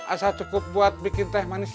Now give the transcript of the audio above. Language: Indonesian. asal cukup buat bikin teh manis